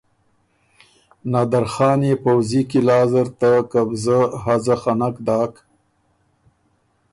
نادرخان يې پؤځي قلعه زر ته قبضه حځه خه نک داک